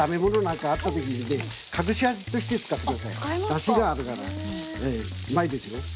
だしがあるからうまいですよ。